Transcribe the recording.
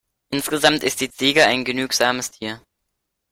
Insgesamt ist die Ziege ein genügsames Tier.